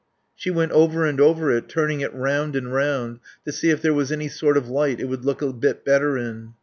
She went over and over it, turning it round and round to see if there was any sort of light it would look a bit better in.